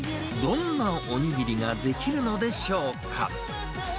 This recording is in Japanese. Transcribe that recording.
どんなおにぎりが出来るのでしょうか。